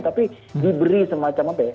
tapi diberi semacam apa ya